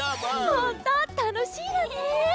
ほんとうたのしいわね。